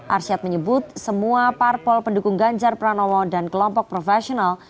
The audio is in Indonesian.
arsyad menyebut semua parpol pendukung ganjar pranowo dan kelompok profesional